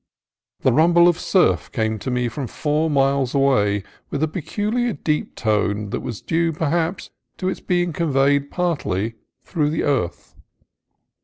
The rum ble of surf came to me from four miles away with a peculiar deep tone that was due, perhaps, to its be ing conveyed partly through the earth.